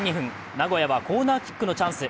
名古屋はコーナーキックのチャンス。